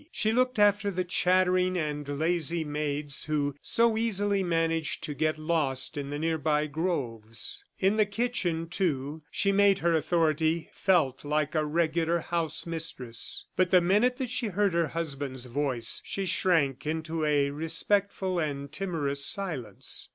She looked after the chattering and lazy maids who so easily managed to get lost in the nearby groves. In the kitchen, too, she made her authority felt like a regular house mistress, but the minute that she heard her husband's voice she shrank into a respectful and timorous silence.